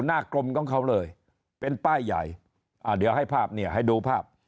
กรมของเขาเลยเป็นป้ายใหญ่อ่าเดี๋ยวให้ภาพเนี่ยให้ดูภาพ